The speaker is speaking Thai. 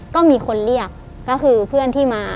ก็มีคนเรียกก็คือเพื่อนที่มา